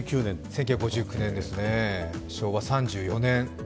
１９５９年ですね、昭和３４年。